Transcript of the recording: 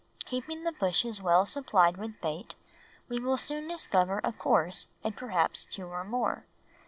Keeping the bushes well supplied with bait, we will soon discover a course and perhaps two or more.